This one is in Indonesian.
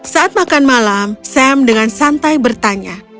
saat makan malam sam dengan santai bertanya